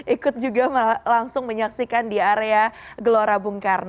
ikut juga langsung menyaksikan di area gelora bunga